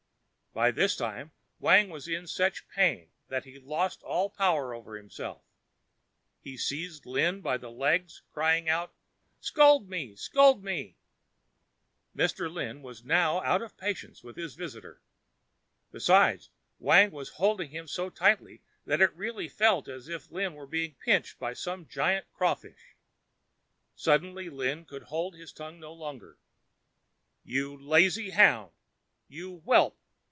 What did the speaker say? By this time Wang was in such pain that he lost all power over himself. He seized Mr. Lin by the legs crying out, "Scold me! scold me!" Mr. Lin was now out of patience with his visitor. Besides Wang was holding him so tightly that it really felt as if Lin were being pinched by some gigantic crawfish. Suddenly Lin could hold his tongue no longer: "You lazy hound! you whelp!